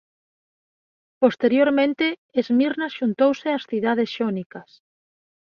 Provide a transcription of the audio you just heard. Posteriormente Esmirna xuntouse ás cidades Xónicas.